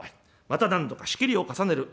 また何度か仕切りを重ねる。